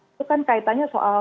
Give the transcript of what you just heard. itu kan kaitannya soal